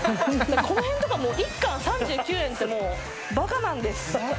この辺とかも１缶３９円って馬鹿なんです。